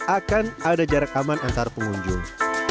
akan ada jarak aman antar pengunjung